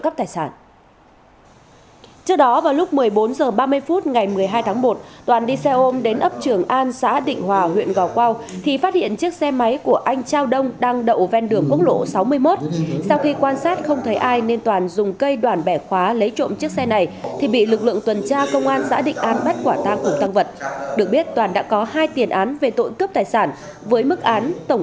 cơ quan cảnh sát điều tra công an huyện gò quao tỉnh kiên giang cho biết vừa thực hiện lệnh bắt tạm giam đối với nguyễn văn toàn